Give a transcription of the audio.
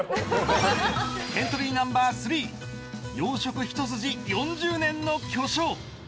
エントリーナンバー３洋食ひと筋４０年の巨匠。